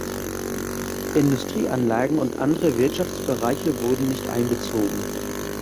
Industrieanlagen und andere Wirtschaftsbereiche wurden nicht einbezogen.